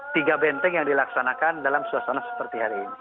tiga benteng yang dilaksanakan dalam suasana seperti hari ini